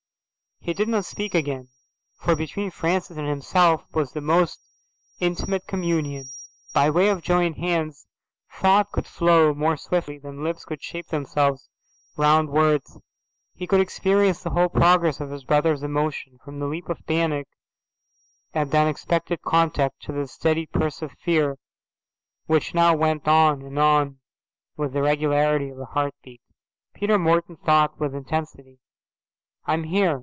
He did not speak again, for between Francis and himself was the most intimate communion. By way of joined hands thought could flow more swiftly than lips could shape themselves round words. He could experience the whole progress of his brother's emotion, from the leap of panic at the unexpected contact to the steady pulse of fear, which now went on and on with the regularity of a heart beat. Peter Morton thought with intensity, "I am here.